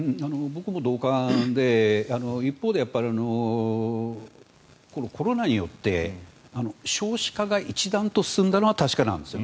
僕も同感で一方でコロナによって少子化が一段と進んだのは確かなんです。